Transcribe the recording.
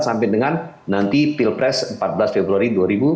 sampai dengan nanti pilpres empat belas februari dua ribu dua puluh